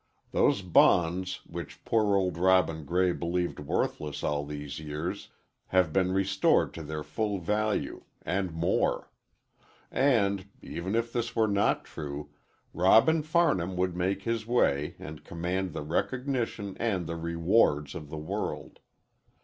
Those bonds which poor old Robin Gray believed worthless all these years have been restored to their full value, and more; and, even if this were not true, Robin Farnham would make his way and command the recognition and the rewards of the world.